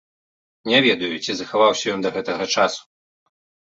Не ведаю, ці захаваўся ён да гэтага часу.